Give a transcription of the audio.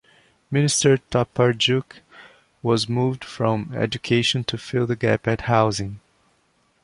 Minister Tapardjuk was moved from Education to fill the gap at Housing.